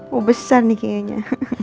wah besar nih kayaknya